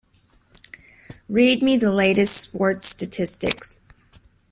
Read me the latest sports statistics.